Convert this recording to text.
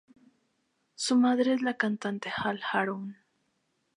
Su madre es la cantante Ila Arun.